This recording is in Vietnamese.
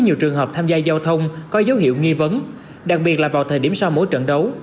các hoạt động tham gia giao thông có dấu hiệu nghi vấn đặc biệt là vào thời điểm sau mỗi trận đấu